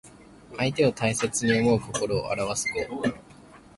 相手を大切に思う心をあらわす語。